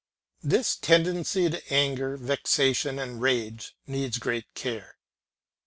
This tendency to anger, vexation, and rage needs great care.